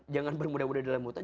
jangan bermudah mudah dalam berhutang